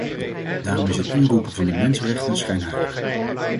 Daarom is het inroepen van de mensenrechten schijnheilig.